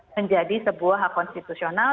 menjadi sebuah hak konstitusional